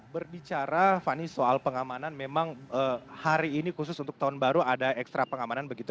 berbicara fani soal pengamanan memang hari ini khusus untuk tahun baru ada ekstra pengamanan begitu